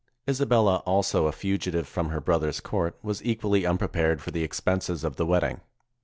Isa bella also, a fugitive from her brother's court, was equally unprepared for the expenses of the wedding.